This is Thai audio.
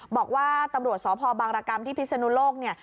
บอกว่าตำรวจสพบางรกรรมที่พิศนุโลกเนี่ย